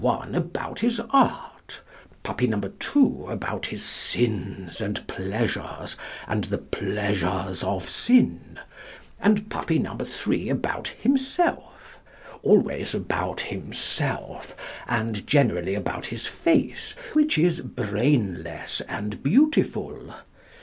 1 about his art, Puppy No. 2 about his sins and pleasures and the pleasures of sin, and Puppy No. 3 about himself always about himself, and generally about his face, which is "brainless and beautiful".